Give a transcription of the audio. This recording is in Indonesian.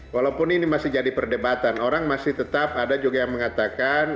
walaupun ini masih jadi perdebatan orang masih tetap ada juga yang mengatakan